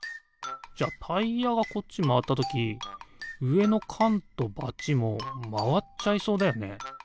じゃタイヤがこっちまわったときうえのかんとバチもまわっちゃいそうだよね。